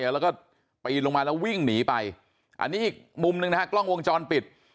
แล้วก็ปีนลงมาแล้ววิ่งหนีไปอันนี้อีกมุมหนึ่งนะฮะกล้องวงจรปิด